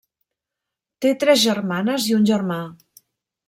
Té tres germanes i un germà.